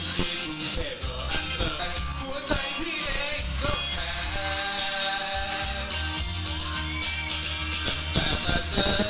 ถ้าอยากใจก็อยากสัญญากับหน้าอยากเป็นส่วนหัวใจ